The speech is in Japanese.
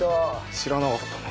知らなかったな。